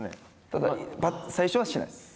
ただ最初はしないです。